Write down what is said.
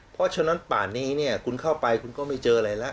เพราะฉะนั้นป่านนี้เนี่ยคุณเข้าไปคุณก็ไม่เจออะไรแล้ว